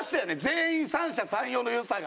全員三者三様の良さがあるって。